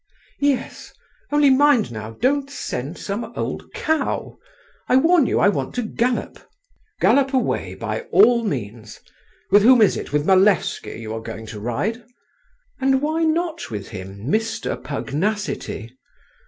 "Yes, only mind now, don't send some old cow. I warn you I want to gallop." "Gallop away by all means … with whom is it, with Malevsky, you are going to ride?" "And why not with him, Mr. Pugnacity?